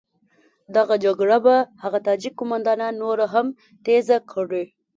دغه جګړه به هغه تاجک قوماندانان نوره هم تېزه کړي.